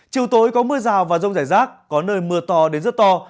chiều tối có mưa rào và rông rải rác có nơi mưa to đến rất to